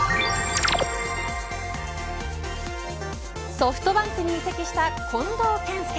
ソフトバンクに移籍した近藤健介。